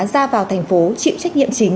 ra vào thành phố chịu trách nhiệm chính